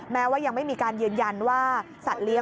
แม้ว่ายังไม่มีการยืนยันว่าสัตว์เลี้ยง